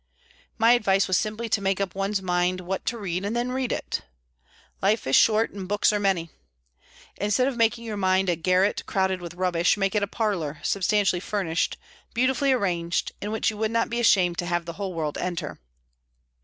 My advice was simply to make up one's mind what to read, and then read it. Life is short, and books are many. Instead of making your mind a garret crowded with rubbish, make it a parlour, substantially furnished, beautifully arranged, in which you would not be ashamed to have the whole world enter.